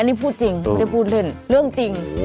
นี่พูดจริงไม่ได้พูดเล่นเรื่องจริง